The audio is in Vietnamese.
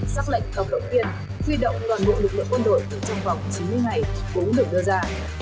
sắc lệnh cộng đồng tiên huy động đoàn nguồn lực lượng quân đội trong vòng chín mươi ngày cũng được đưa ra